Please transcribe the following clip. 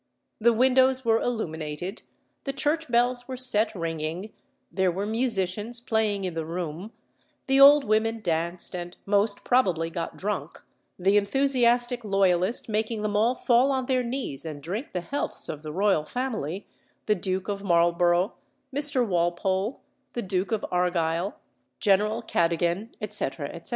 The windows were illuminated, the church bells were set ringing, there were musicians playing in the room, the old women danced, and most probably got drunk, the enthusiastic loyalist making them all fall on their knees and drink the healths of the royal family, the Duke of Marlborough, Mr. Walpole, the Duke of Argyle, General Cadogan, etc. etc.